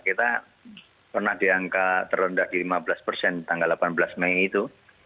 kita pernah diangka terlendah di lima belas persen tanggal delapan belas mei itu